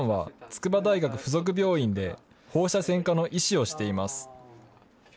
ふだんは筑波大学附属病院で、放射線科の医師をしています。